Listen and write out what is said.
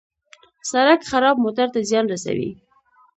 سړک خراب موټر ته زیان رسوي.